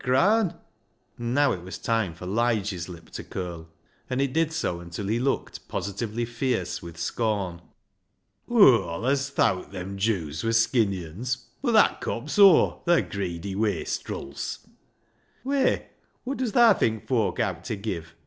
And now it was time for Lige's lip to curl, and it did so until he looked positively fierce with scorn. '" Aw allis thowt them Jews wur skinny uns ■— but that cops aw — the greedy wastrils." " Whey, wot does thaa think foak owt ta give?